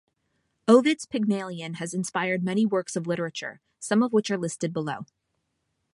Ovid's Pygmalion has inspired many works of literature, some of which are listed below.